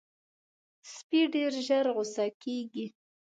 سپي ډېر ژر غصه کېږي.